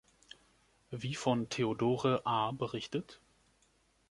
Wie von Theodore A. berichtet.